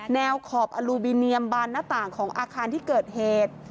ขอบอลูบิเนียมบานหน้าต่างของอาคารที่เกิดเหตุ